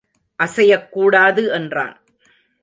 அசையக் கூடாது என்றான்.